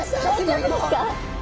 大丈夫ですか？